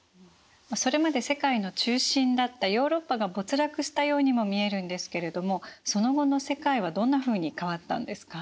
それまで世界の中心だったヨーロッパが没落したようにも見えるんですけれどもその後の世界はどんなふうに変わったんですか？